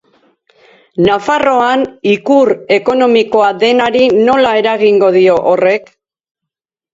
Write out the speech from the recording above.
Nafarroan ikur ekonomikoa denari nola eragingo dio horrek?